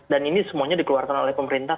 dan ini semuanya dikeluarkan oleh pemerintah